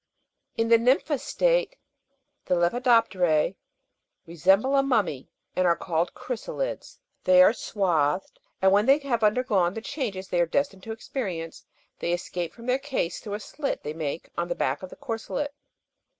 In the nympha state, the Lepidop'teree resemble a mummy, and are called clirysalids (fig. 44) ; they are swathed, and when they have undergone the changes they are des tined to experience, they escape from their case through a slit they make on the back of the corselet.